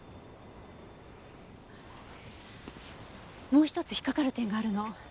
もう一つ引っかかる点があるの。